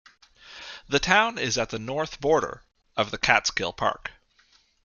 The town is at the north border of the Catskill Park.